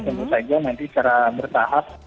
tentu saja nanti secara bertahap